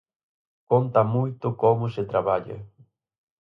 Conta moito como se traballa.